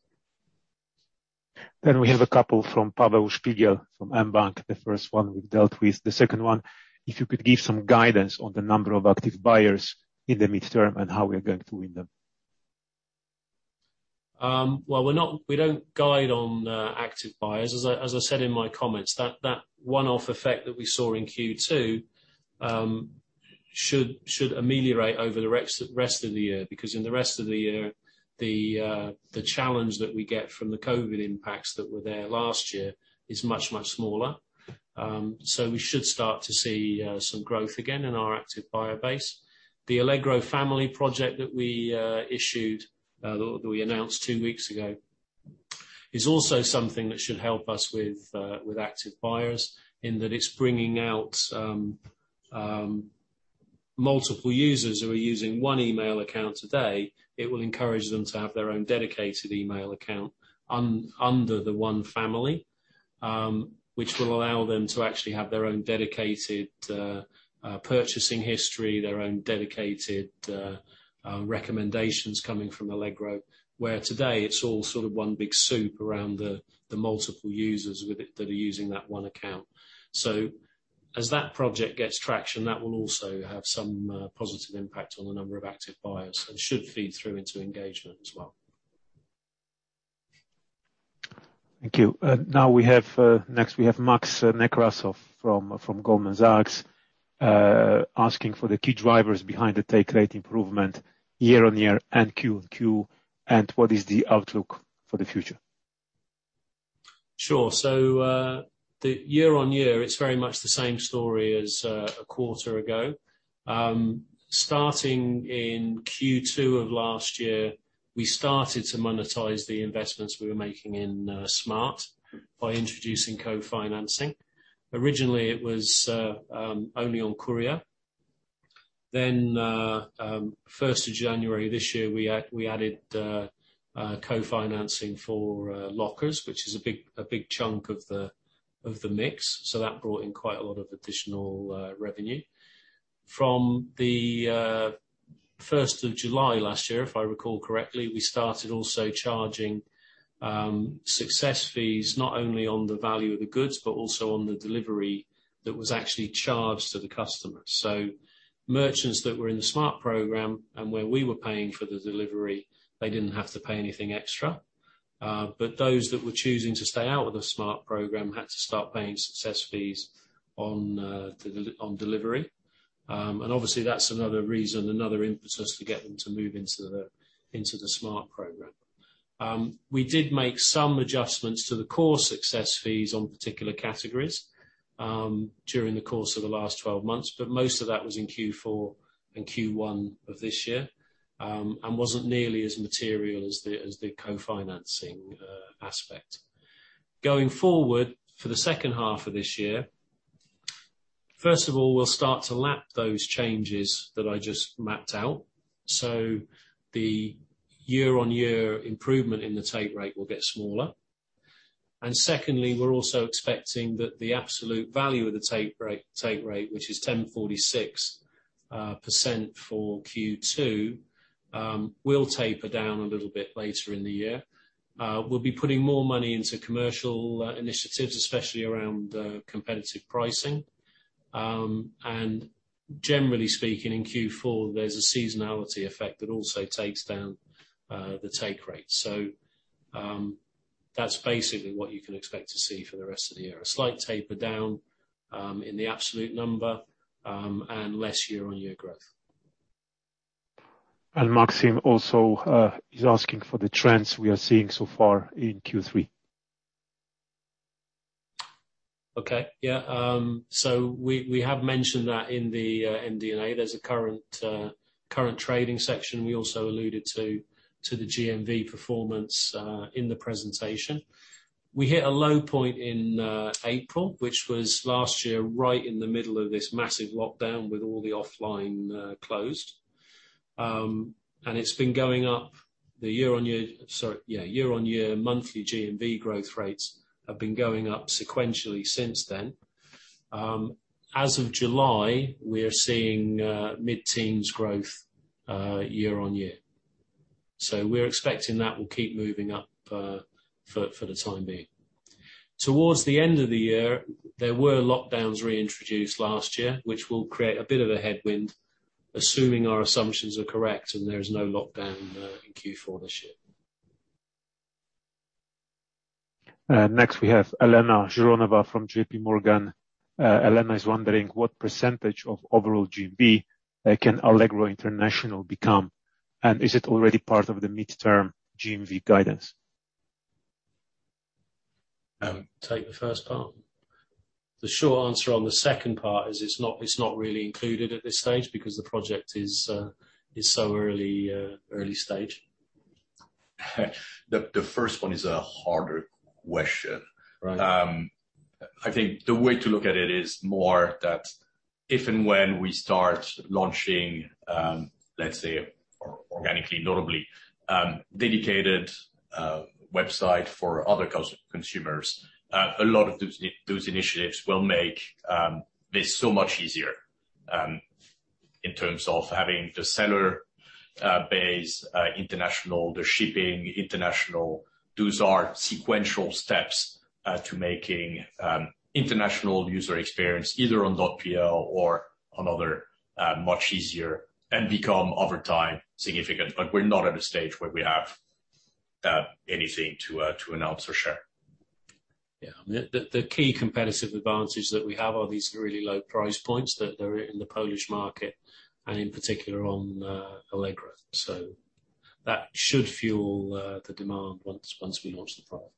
We have a couple from Paweł Szpigiel from mBank. The first one we've dealt with. The second one, if you could give some guidance on the number of active buyers in the midterm and how we are going to win them. We don't guide on active buyers. As I said in my comments, that one-off effect that we saw in Q2 should ameliorate over the rest of the year, because in the rest of the year, the challenge that we get from the COVID impacts that were there last year is much, much smaller. We should start to see some growth again in our active buyer base. The Allegro Family project that we issued, that we announced two weeks ago, is also something that should help us with active buyers in that it's bringing out multiple users who are using one email account today. It will encourage them to have their own dedicated email account under the one family, which will allow them to actually have their own dedicated purchasing history, their own dedicated recommendations coming from Allegro. Where today it's all sort of one big soup around the multiple users that are using that one account. As that project gets traction, that will also have some positive impact on the number of active buyers and should feed through into engagement as well. Thank you. Next we have Max Nekrasov from Goldman Sachs, asking for the key drivers behind the take rate improvement year-on-year and Q-on-Q, and what is the outlook for the future? Sure. The year-on-year, it's very much the same story as a quarter ago. Starting in Q2 of last year, we started to monetize the investments we were making in Smart! by introducing co-financing. Originally, it was only on courier. January 1st this year, we added co-financing for lockers, which is a big chunk of the mix. That brought in quite a lot of additional revenue. From July 1st last year, if I recall correctly, we started also charging success fees, not only on the value of the goods, but also on the delivery that was actually charged to the customer. Merchants that were in the Smart! program and where we were paying for the delivery, they didn't have to pay anything extra. Those that were choosing to stay out of the Smart! program had to start paying success fees on delivery. Obviously that's another reason, another impetus to get them to move into the Smart! program. We did make some adjustments to the core success fees on particular categories during the course of the last 12 months, but most of that was in Q4 and Q1 of this year and wasn't nearly as material as the co-financing aspect. Going forward, for the second half of this year, first of all, we'll start to lap those changes that I just mapped out. The year-on-year improvement in the take rate will get smaller. Secondly, we're also expecting that the absolute value of the take rate, which is 10.46% for Q2, will taper down a little bit later in the year. We'll be putting more money into commercial initiatives, especially around competitive pricing. And generally speaking, in Q4, there's a seasonality effect that also takes down the take rate. That's basically what you can expect to see for the rest of the year, a slight taper down in the absolute number, and less year-on-year growth. Maxim also is asking for the trends we are seeing so far in Q3. Okay. Yeah. We have mentioned that in the NDA. There's a current trading section. We also alluded to the GMV performance in the presentation. We hit a low point in April, which was last year, right in the middle of this massive lockdown with all the offline closed. It's been going up the year-on-year, monthly GMV growth rates have been going up sequentially since then. As of July, we are seeing mid-teens growth year-on-year. We're expecting that will keep moving up for the time being. Towards the end of the year, there were lockdowns reintroduced last year, which will create a bit of a headwind, assuming our assumptions are correct and there is no lockdown in Q4 this year. Next, we have Elena Jouronova from JPMorgan. Elena is wondering what percentage of overall GMV can Allegro International become, and is it already part of the midterm GMV guidance? Take the first part. The short answer on the second part is it's not really included at this stage because the project is so early stage. The first one is a harder question. Right. I think the way to look at it is more that if and when we start launching, let's say, organically, notably, dedicated website for other consumers, a lot of those initiatives will make this so much easier, in terms of having the seller base international, the shipping international. Those are sequential steps to making international user experience, either on .pl or on other, much easier and become, over time, significant. We're not at a stage where we have anything to announce or share. Yeah. The key competitive advantages that we have are these really low price points that are in the Polish market, and in particular on Allegro. That should fuel the demand once we launch the product.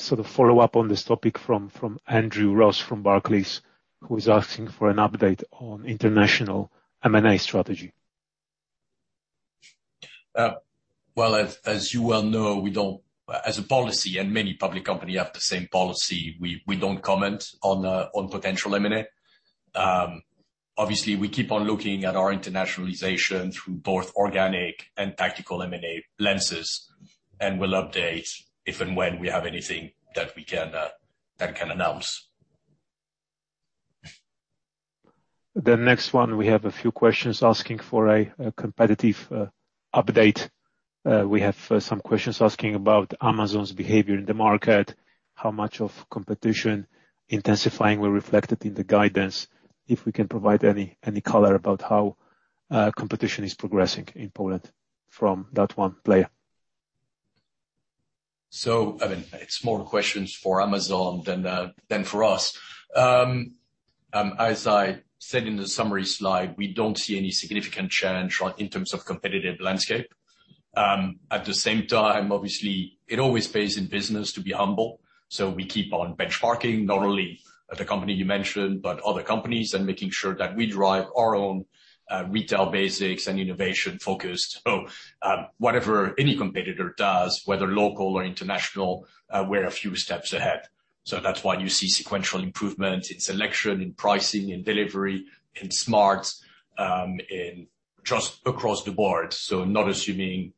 Sort of follow-up on this topic from Andrew Ross from Barclays, who is asking for an update on international M&A strategy. Well, as you well know, as a policy, and many public company have the same policy, we don't comment on potential M&A. Obviously, we keep on looking at our internationalization through both organic and tactical M&A lenses, and will update if and when we have anything that we can announce. The next one, we have a few questions asking for a competitive update. We have some questions asking about Amazon's behavior in the market, how much of competition intensifying were reflected in the guidance. If we can provide any color about how competition is progressing in Poland from that one player. It's more questions for Amazon than for us. As I said in the summary slide, we don't see any significant change in terms of competitive landscape. At the same time, obviously, it always pays in business to be humble. We keep on benchmarking, not only the company you mentioned, but other companies and making sure that we drive our own retail basics and innovation-focused. Whatever any competitor does, whether local or international, we're a few steps ahead. That's why you see sequential improvement in selection, in pricing, in delivery, in Smart!, just across the board. Not assuming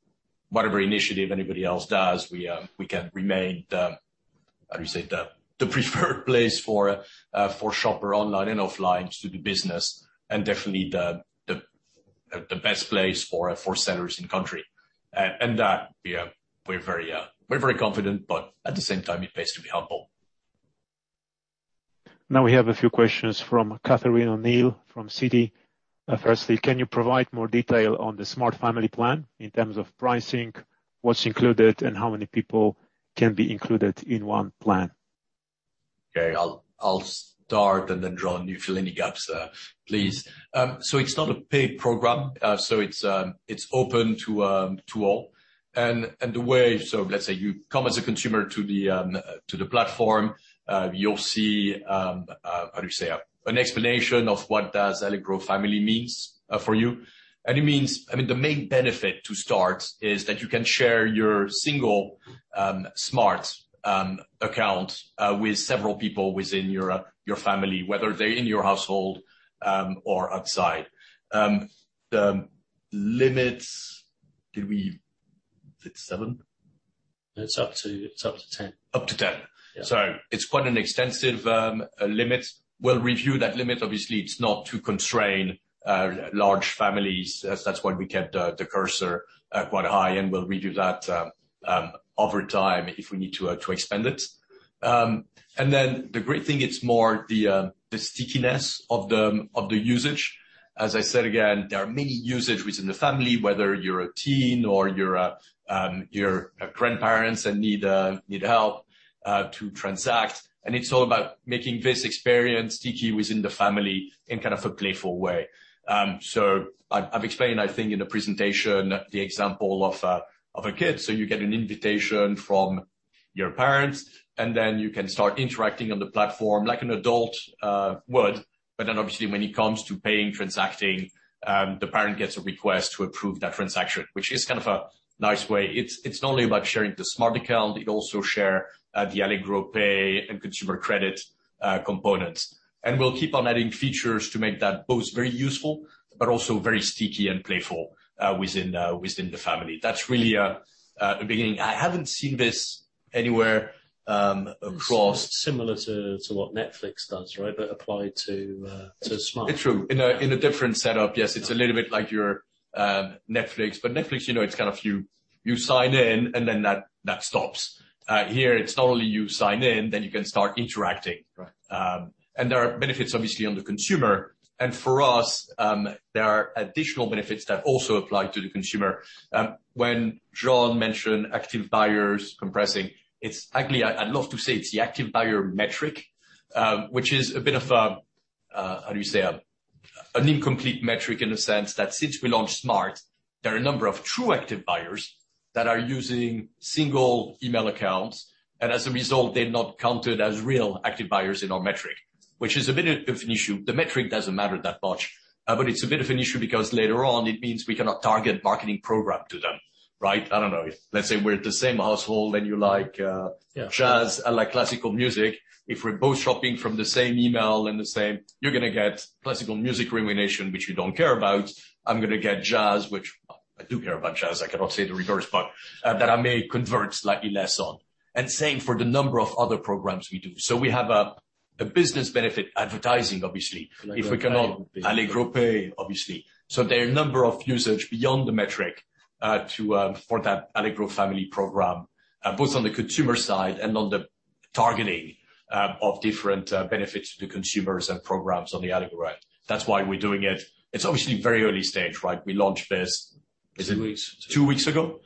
whatever initiative anybody else does, we can remain the, how do you say, the preferred place for shopper online and offline to do business, and definitely the best place for sellers in country. That we're very confident, but at the same time, it pays to be humble. Now we have a few questions from Catherine O'Neill from Citi. Firstly, can you provide more detail on the Smart Family plan in terms of pricing, what's included, and how many people can be included in one plan? Okay. I'll start and then, Jon, you fill any gaps, please. It's not a paid program. It's open to all. The way, so let's say you come as a consumer to the platform, you'll see, how do you say? An explanation of what does Allegro Family means for you. It means, the main benefit to start is that you can share your single Smart! account with several people within your family, whether they're in your household or outside. The limits, did we, is it seven? It's up to 10. Up to 10. Yeah. It's quite an extensive limit. We'll review that limit. Obviously, it's not to constrain large families. That's why we kept the cursor quite high, and we'll review that over time if we need to expand it. The great thing, it's more the stickiness of the usage. As I said, again, there are many usage within the family, whether you're a teen or you're grandparents and need help to transact. It's all about making this experience sticky within the family in kind of a playful way. I've explained, I think, in the presentation, the example of a kid. You get an invitation from your parents, and then you can start interacting on the platform like an adult would. Then obviously when it comes to paying, transacting, the parent gets a request to approve that transaction, which is kind of a nice way. It's not only about sharing the Smart! account, it also share the Allegro Pay and consumer credit components. We'll keep on adding features to make that both very useful, but also very sticky and playful within the Family. That's really a beginning. I haven't seen this anywhere across. Similar to what Netflix does, right? Applied to Smart. It's true. In a different setup, yes, it's a little bit like your Netflix. Netflix, it's kind of you sign in, and then that stops. Here, it's not only you sign in, then you can start interacting. Right. There are benefits, obviously, on the consumer. For us, there are additional benefits that also apply to the consumer. When Jon mentioned active buyers compressing, it's actually, I'd love to say it's the active buyer metric, which is a bit of a, how do you say? An incomplete metric in the sense that since we launched Allegro Smart!, there are a number of true active buyers that are using single email accounts, and as a result, they're not counted as real active buyers in our metric. Which is a bit of an issue. The metric doesn't matter that much, but it's a bit of an issue because later on it means we cannot target marketing program to them. Right? I don't know. Let's say we're at the same household, and you like jazz, I like classical music. If we're both shopping from the same email. You're gonna get classical music recommendation, which you don't care about. I'm gonna get jazz, which I do care about jazz, I cannot say the reverse, but that I may convert slightly less on. Same for the number of other programs we do. We have a business benefit advertising, obviously. If we cannot? Allegro Pay. Allegro Pay, obviously. There are a number of usage beyond the metric, for that Allegro Family program, both on the consumer side and on the targeting of different benefits to consumers and programs on the Allegro end. That's why we're doing it. It's obviously very early stage, right? Two weeks. Two weeks ago.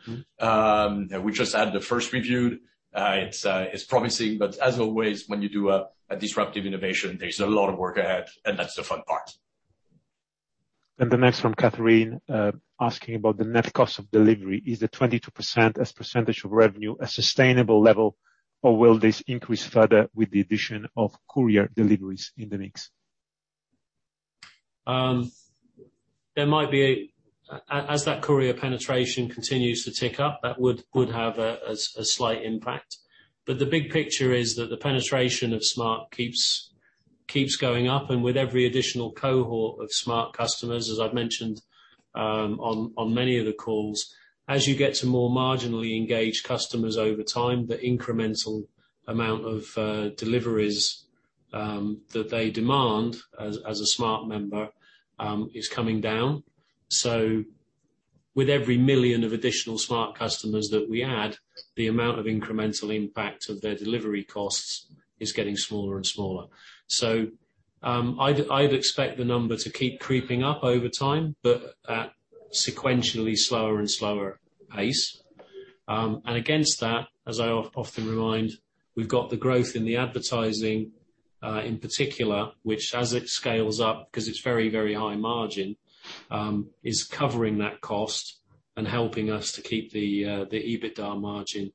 We just had the first review. It's promising, but as always, when you do a disruptive innovation, there's a lot of work ahead, and that's the fun part. The next from Catherine, asking about the net cost of delivery. Is the 22% as % of revenue a sustainable level, or will this increase further with the addition of courier deliveries in the mix? There might be, as that courier penetration continues to tick up, that would have a slight impact. The big picture is that the penetration of Smart! keeps going up, and with every additional cohort of Smart! customers, as I've mentioned on many of the calls, as you get to more marginally engaged customers over time, the incremental amount of deliveries that they demand as a Smart! member is coming down. With every million of additional Smart! customers that we add, the amount of incremental impact of their delivery costs is getting smaller and smaller. I'd expect the number to keep creeping up over time, but at sequentially slower and slower pace. Against that, as I often remind, we've got the growth in the advertising, in particular, which as it scales up, because it's very, very high margin, is covering that cost and helping us to keep the EBITDA margin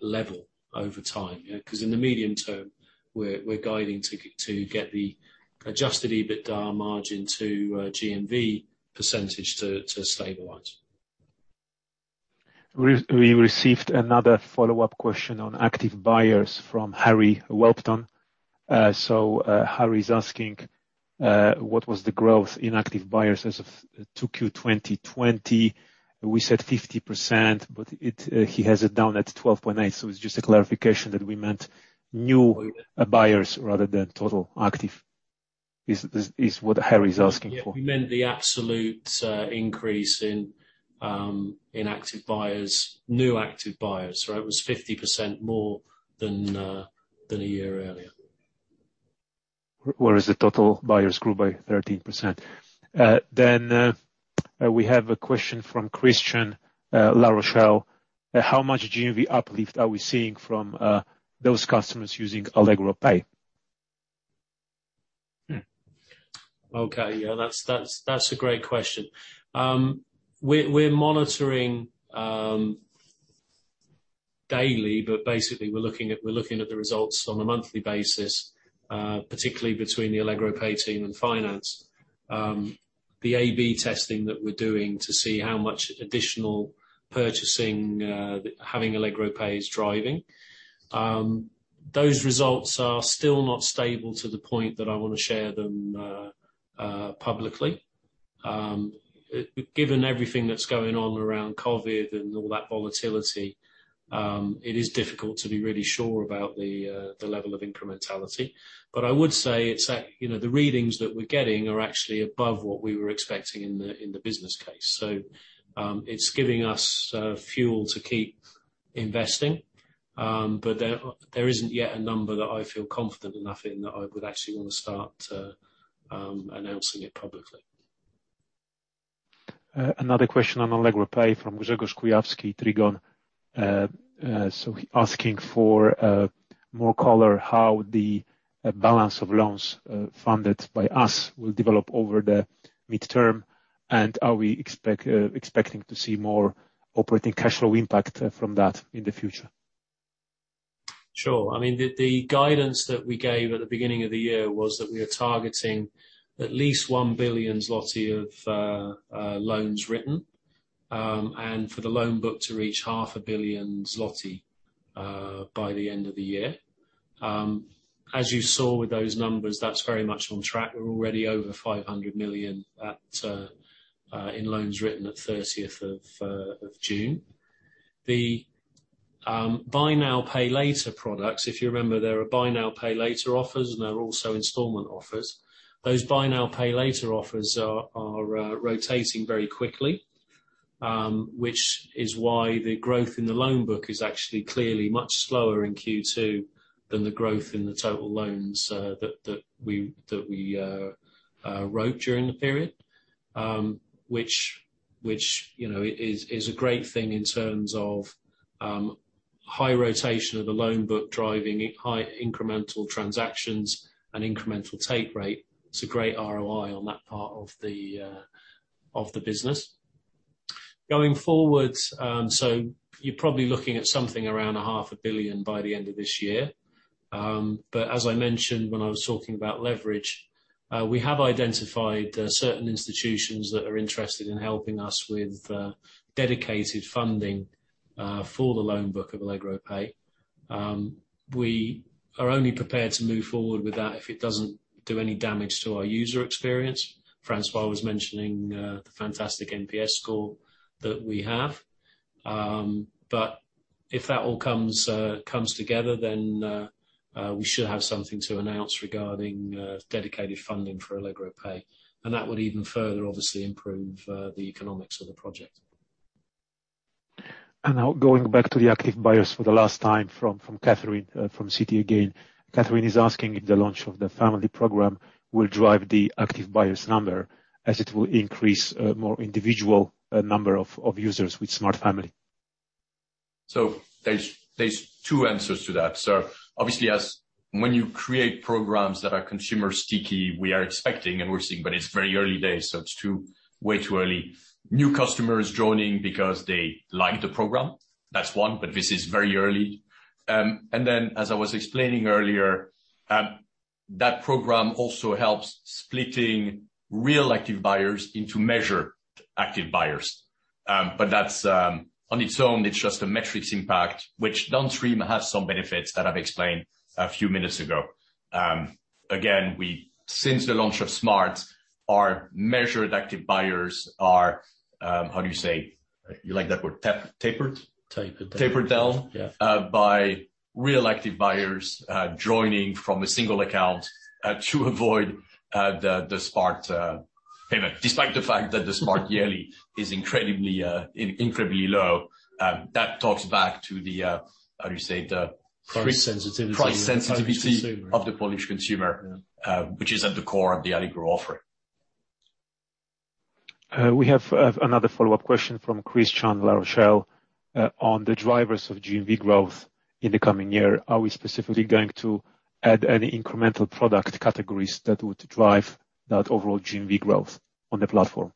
level over time. In the medium term, we're guiding to get the adjusted EBITDA margin to GMV % to stabilize. We received another follow-up question on active buyers from Harry Whelpton. Harry's asking, what was the growth in active buyers as of 2Q 2020? We said 50%, he has it down at 12.8, it's just a clarification that we meant new buyers rather than total active, is what Harry's asking for. Yeah. We meant the absolute increase in active buyers, new active buyers. It was 50% more than a year earlier. The total buyers grew by 13%. We have a question from Christian La Rochelle. How much GMV uplift are we seeing from those customers using Allegro Pay? Yeah, that's a great question. We're monitoring daily, basically we're looking at the results on a monthly basis, particularly between the Allegro Pay team and finance. The A/B testing that we're doing to see how much additional purchasing having Allegro Pay is driving. Those results are still not stable to the point that I want to share them publicly. Given everything that's going on around COVID and all that volatility, it is difficult to be really sure about the level of incrementality. I would say, the readings that we're getting are actually above what we were expecting in the business case. It's giving us fuel to keep investing. There isn't yet a number that I feel confident enough in that I would actually want to start announcing it publicly. Another question on Allegro Pay from Grzegorz Kujawski, Trigon. Asking for more color how the balance of loans funded by us will develop over the midterm, and are we expecting to see more operating cash flow impact from that in the future? Sure. The guidance that we gave at the beginning of the year was that we are targeting at least 1 billion zloty of loans written, and for the loan book to reach half a billion zloty by the end of the year. As you saw with those numbers, that's very much on track. We're already over 500 million in loans written at June 30th. The buy now pay later products, if you remember, there are buy now pay later offers, and there are also installment offers. Those buy now pay later offers are rotating very quickly, which is why the growth in the loan book is actually clearly much slower in Q2 than the growth in the total loans that we wrote during the period, which is a great thing in terms of high rotation of the loan book driving high incremental transactions and incremental take rate. It's a great ROI on that part of the business. Going forward, you're probably looking at something around a half a billion by the end of this year. As I mentioned when I was talking about leverage, we have identified certain institutions that are interested in helping us with dedicated funding for the loan book of Allegro Pay. We are only prepared to move forward with that if it doesn't do any damage to our user experience. François was mentioning the fantastic NPS score that we have. If that all comes together, we should have something to announce regarding dedicated funding for Allegro Pay. That would even further, obviously, improve the economics of the project. Now going back to the active buyers for the last time from Catherine from Citi again. Catherine is asking if the launch of the Family program will drive the active buyers number as it will increase more individual number of users with Smart family. There's two answers to that. Obviously, when you create programs that are consumer sticky, we are expecting and we're seeing, but it's very early days, so it's way too early. New customers joining because they like the program. That's one, this is very early. As I was explaining earlier that program also helps splitting real active buyers into measured active buyers. That's on its own, it's just a metrics impact, which downstream has some benefits that I've explained a few minutes ago. Again, since the launch of Smart!, our measured active buyers are, how do you say? You like that word, tapered? Tapered down. Tapered down. Yeah. By real active buyers joining from a single account to avoid the Smart payment. Despite the fact that the Smart yearly is incredibly low, that tops back to the, how do say that? Price sensitivity. Price sensitivity of the Polish consumer, which is at the core of the Allegro offering. We have another follow-up question from Christian La Rochelle on the drivers of GMV growth in the coming year. Are we specifically going to add any incremental product categories that would drive that overall GMV growth on the platform?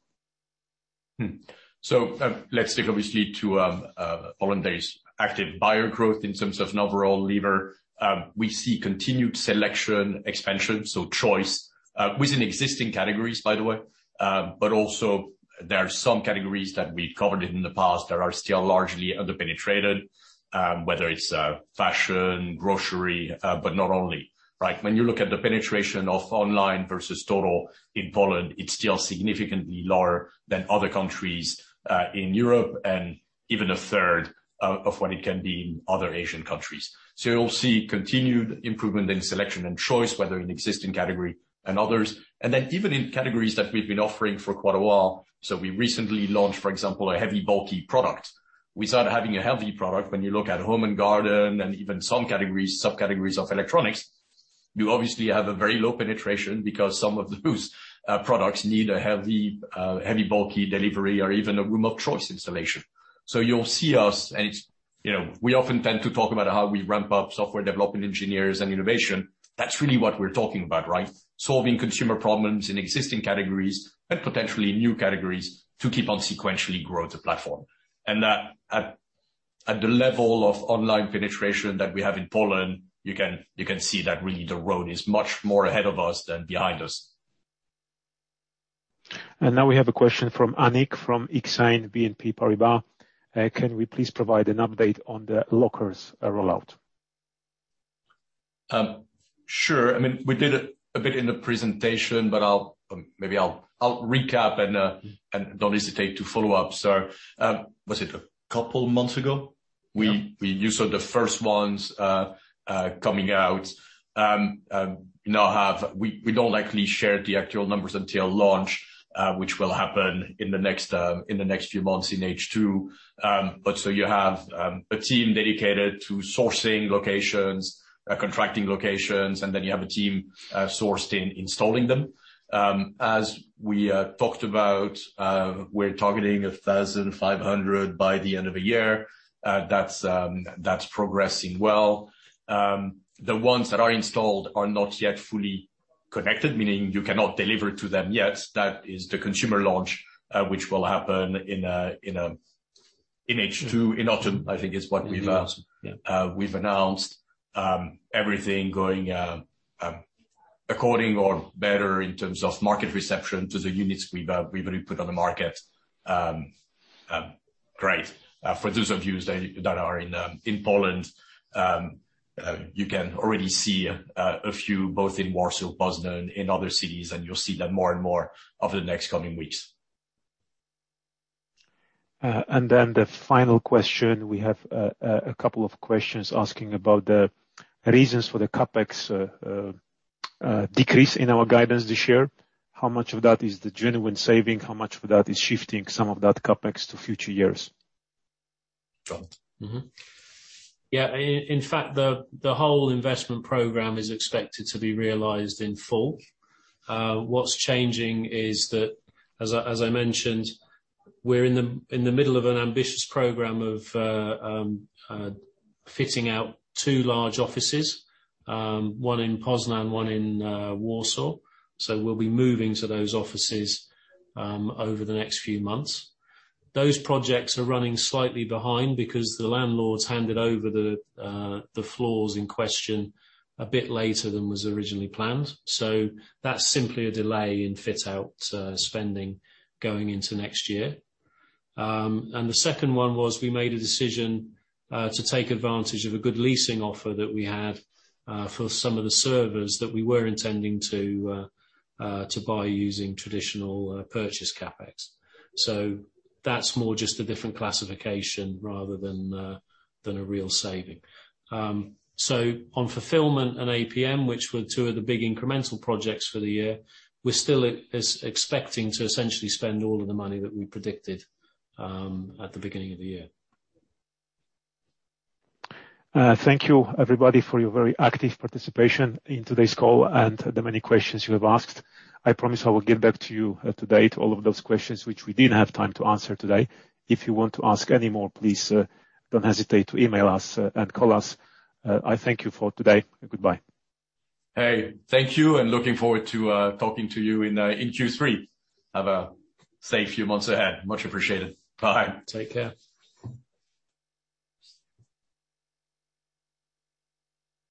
Let's stick obviously to Poland-based active buyer growth in terms of an overall lever. We see continued selection, expansion, so choice within existing categories, by the way. Also there are some categories that we've covered in the past that are still largely under-penetrated, whether it's fashion, grocery, but not only, right? When you look at the penetration of online versus total in Poland, it's still significantly lower than other countries in Europe and even a third of what it can be in other Asian countries. You'll see continued improvement in selection and choice, whether in existing category and others. Even in categories that we've been offering for quite a while. We recently launched, for example, a heavy bulky product. Without having a heavy product, when you look at home and garden and even some categories, subcategories of electronics, you obviously have a very low penetration because some of those products need a heavy bulky delivery or even a room-of-choice installation. You'll see us, and we often tend to talk about how we ramp up software development engineers and innovation. That's really what we're talking about, right? Solving consumer problems in existing categories and potentially new categories to keep on sequentially grow the platform. At the level of online penetration that we have in Poland, you can see that really the road is much more ahead of us than behind us. Now we have a question from Anik from Exane BNP Paribas. Can we please provide an update on the lockers rollout? Sure. We did a bit in the presentation, maybe I'll recap and don't hesitate to follow up. Was it a couple months ago? Yeah. We saw the first ones coming out. We don't likely share the actual numbers until launch, which will happen in the next few months in H2. You have a team dedicated to sourcing locations, contracting locations, and then you have a team sourced in installing them. As we talked about, we're targeting 1,500 by the end of the year. That's progressing well. The ones that are installed are not yet fully connected, meaning you cannot deliver to them yet. That is the consumer launch, which will happen in H2, in autumn, I think is what we've announced. Everything going according or better in terms of market reception to the units we've already put on the market. Great. For those of you that are in Poland, you can already see a few both in Warsaw, Poznań, in other cities, and you'll see them more and more over the next coming weeks. The final question, we have a couple of questions asking about the reasons for the CapEx decrease in our guidance this year. How much of that is the genuine saving, how much of that is shifting some of that CapEx to future years? Jon? Yeah. In fact, the whole investment program is expected to be realized in full. What's changing is that, as I mentioned, we're in the middle of an ambitious program of fitting out two large offices, one in Poznań, one in Warsaw. We'll be moving to those offices over the next few months. Those projects are running slightly behind because the landlords handed over the floors in question a bit later than was originally planned. That's simply a delay in fit-out spending going into next year. The second one was we made a decision to take advantage of a good leasing offer that we had for some of the servers that we were intending to buy using traditional purchase CapEx. That's more just a different classification rather than a real saving. On fulfillment and APM, which were two of the big incremental projects for the year, we're still expecting to essentially spend all of the money that we predicted at the beginning of the year. Thank you everybody for your very active participation in today's call and the many questions you have asked. I promise I will get back to you to date all of those questions which we didn't have time to answer today. If you want to ask any more, please don't hesitate to email us and call us. I thank you for today, and goodbye. Hey, thank you and looking forward to talking to you in Q3. Have a safe few months ahead. Much appreciated. Bye. Take care.